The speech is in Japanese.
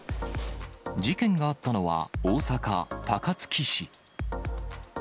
事件があったのは、大阪・高槻市。